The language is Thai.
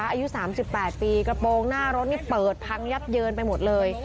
อายุ๓๘ปีกระโปรงหน้ารถนี่เปิดพังยับเยินไปหมดเลย